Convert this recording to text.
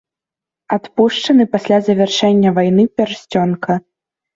Адпушчаны пасля завяршэння вайны пярсцёнка.